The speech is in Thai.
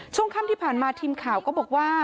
ช่วงค่ำที่ผ่านมาทีมข่าวก็บอกว่า